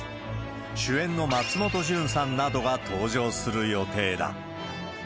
主演の松本潤さんなどが登場する予定だ。